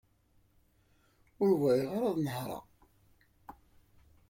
Ur bɣiɣ ara ad nehreɣ.